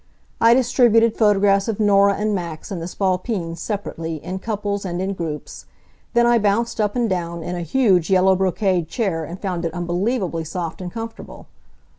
I distributed photographs of Norah and Max and the Spalpeens separately, in couples, and in groups. Then I bounced up and down in a huge yellow brocade chair and found it unbelievably soft and comfortable.